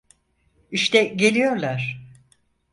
İşte geliyorlar.